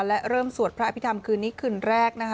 และเริ่มสวดพระอภิษฐรรมคืนนี้คืนแรกนะคะ